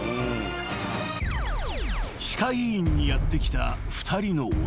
［歯科医院にやって来た２人の男］